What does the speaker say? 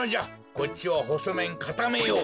こっちはほそめんかためよう。